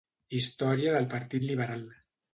Història del Partit Liberal.